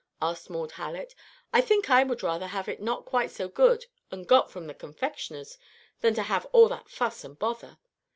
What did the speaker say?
asked Maud Hallett. "I think I would rather have had it not quite so good, and got it from the confectioner's, than to have all that fuss and bother."